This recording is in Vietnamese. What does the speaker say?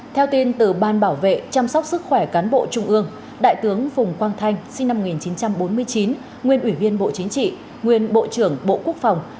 theo tin từ ban bảo vệ chăm sóc sức khỏe cán bộ trung ương đại tướng phùng quang thanh sinh năm một nghìn chín trăm bốn mươi chín nguyên ủy viên bộ chính trị nguyên bộ trưởng bộ quốc phòng